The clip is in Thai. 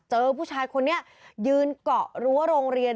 เจอผู้ชายคนนี้ยืนเกาะรั้วโรงเรียน